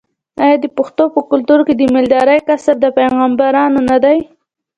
آیا د پښتنو په کلتور کې د مالدارۍ کسب د پیغمبرانو نه دی؟